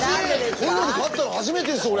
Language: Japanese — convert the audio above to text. こういうので勝ったの初めてです俺。